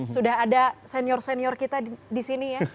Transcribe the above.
sudah ada senior senior kita di sini ya